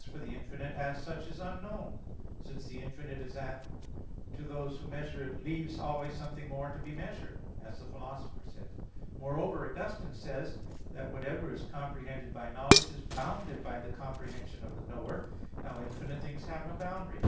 For the infinite, as such, is unknown; since the infinite is that which, "to those who measure it, leaves always something more to be measured," as the Philosopher says (Phys. iii). Moreover, Augustine says (De Civ. Dei xii) that "whatever is comprehended by knowledge, is bounded by the comprehension of the knower." Now infinite things have no boundary.